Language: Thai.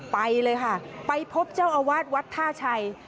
ไปเลยค่ะไปพบเจ้าอาวาสวัดท่าชัย